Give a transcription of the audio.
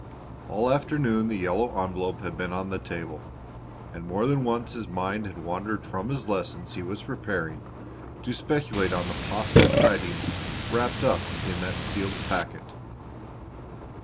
All the afternoon the yellow envelope had been on the table, and more than once his mind had wandered from the lessons he was preparing to speculate on the possible tidings wrapped up in that sealed packet.